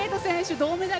銅メダル